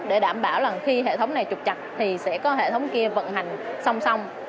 để đảm bảo là khi hệ thống này trục chặt thì sẽ có hệ thống kia vận hành song song